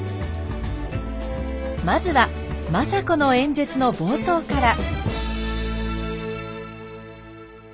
まずは政子の演説の冒頭から。